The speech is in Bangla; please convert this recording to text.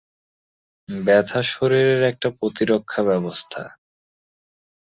ব্যথা শরীরের একটা প্রতিরক্ষা ব্যবস্থা।